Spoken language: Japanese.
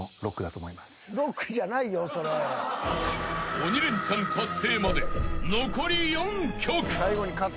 ［鬼レンチャン達成まで残り４曲］